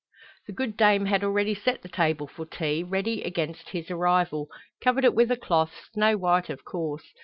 The good dame had already set the table for tea, ready against his arrival, covered it with a cloth, snow white of course.